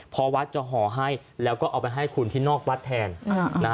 พอวัดจะห่อให้แล้วก็เอาไปให้คุณที่นอกวัดแทน